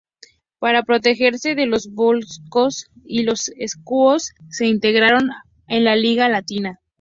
Para protegerse de los volscos y los ecuos se integraron en la Liga Latina.